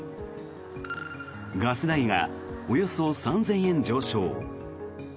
ガス代がおよそ３０００円上昇。